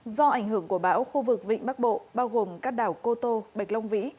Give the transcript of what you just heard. do ảnh hưởng của bão khu vực vịnh bắc bộ bao gồm các đảo cô tô bạch long vĩ